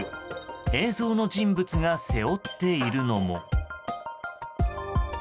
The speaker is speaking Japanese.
映像の人物が背負っているのも。